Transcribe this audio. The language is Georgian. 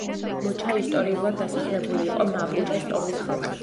მოჩა ისტორიულად დასახლებული იყო მაპუჩეს ტომის ხალხით.